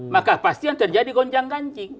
maka pasti yang terjadi gonjang gancing